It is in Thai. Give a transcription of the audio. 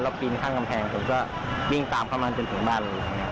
ปีนข้างกำแพงผมก็วิ่งตามเข้ามาจนถึงบ้าน